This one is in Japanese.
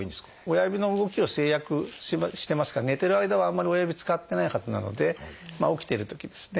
親指の動きを制約してますから寝てる間はあんまり親指使ってないはずなので起きているときですね。